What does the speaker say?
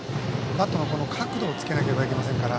バットの角度をつけなければいけませんから。